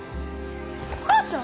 お母ちゃん？